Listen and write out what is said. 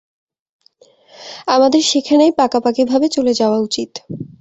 আমাদের সেখানেই পাকাপাকিভাবে চলে যাওয়া উচিত।